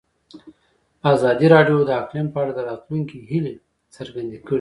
ازادي راډیو د اقلیم په اړه د راتلونکي هیلې څرګندې کړې.